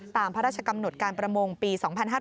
ตามพระราชกำหนดการประมงปี๒๕๕๙